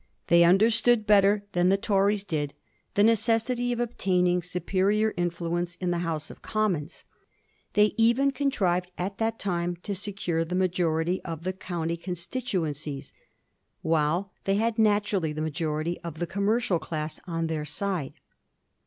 They understood better than the Tories did the necessity of obtaining superior influence in the House of Commons. They even contrived at that time to secure the majority of the county constituencies, while they had naturally the majority of the commercial class on their side.